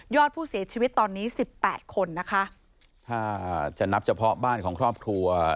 ยอดผู้เสียชีวิตตอนนี้๑๘คนนะคะ